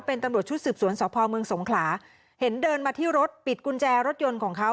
เป็นตำรวจชุดสืบสวนสพเมืองสงขลาเห็นเดินมาที่รถปิดกุญแจรถยนต์ของเขา